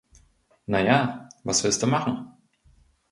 Na ja, was willst du machen?